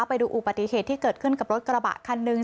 ไปดูอุบัติเหตุที่เกิดขึ้นกับรถกระบะคันหนึ่ง